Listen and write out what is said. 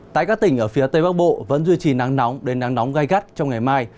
tại các tỉnh ở phía tây bắc bộ vẫn duy trì nắng nóng đến nắng nóng gai gắt trong ngày mai